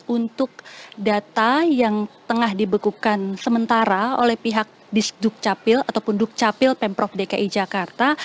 untuk data yang tengah dibekukan sementara oleh pihak disduk capil ataupun dukcapil pemprov dki jakarta